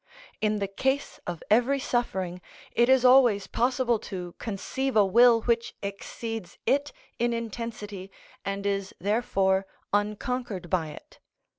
In the case of every suffering, it is always possible to conceive a will which exceeds it in intensity and is therefore unconquered by it.